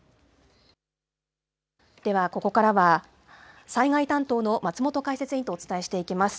では、ここからは災害担当の松本解説委員とお伝えしていきます。